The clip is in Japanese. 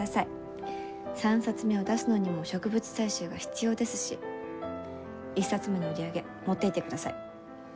３冊目を出すのにも植物採集が必要ですし１冊目の売り上げ持っていってください。